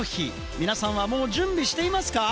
皆さんはもう準備してますか？